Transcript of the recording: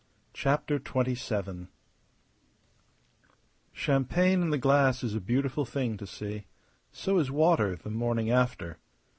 CHAPTER XXVII Champagne in the glass is a beautiful thing to see. So is water, the morning after.